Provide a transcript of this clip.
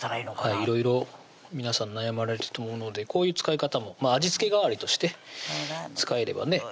いろいろ皆さん悩まれると思うのでこういう使い方も味付け代わりとして使えればね